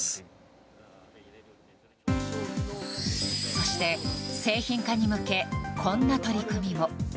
そして、製品化に向けこんな取り組みも。